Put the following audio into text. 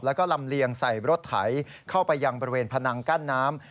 แล้วก็ลำเลียงใส่รถไถเข้าไปยังบริเวณพนังกั้นน้ำ